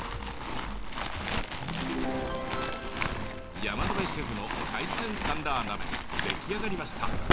山野辺シェフの海鮮サンラー鍋出来上がりました。